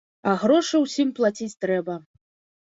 А грошы ўсім плаціць трэба.